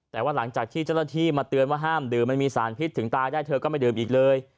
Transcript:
แต่ว่าหลังจากที่เจ้าหน้าที่มาเตือนว่าห้ามดื่มมันมีสารพิษถึงตายได้เธอก็ไม่ดื่มอีกเลย